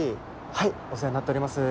はいお世話になっております。